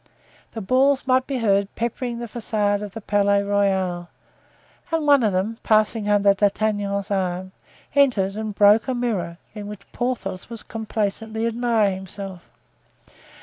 The balls might be heard peppering the facade of the Palais Royal, and one of them, passing under D'Artagnan's arm, entered and broke a mirror, in which Porthos was complacently admiring himself.